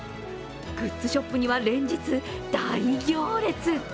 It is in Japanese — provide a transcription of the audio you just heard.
グッズショップには連日大行列。